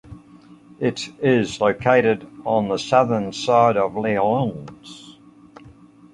It is located on the southern side of Lyons.